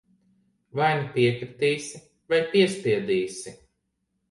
Vai nu piekritīs, vai piespiedīsi.